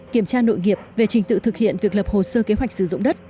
kiểm tra nội nghiệp về trình tự thực hiện việc lập hồ sơ kế hoạch sử dụng đất